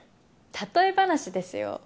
例え話ですよ。